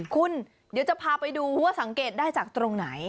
คุณเดี๋ยวจะพาไปดูว่าสังเกตได้จากตรงไหน